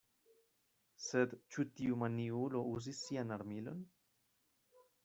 Sed ĉu tiu maniulo uzis sian armilon?